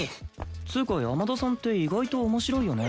っつうか山田さんって意外と面白いよね。